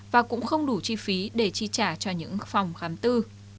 và cũng không đủ chi phí để chi trả cho những phòng khám tư